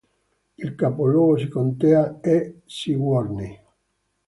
Il capoluogo di contea è Sigourney.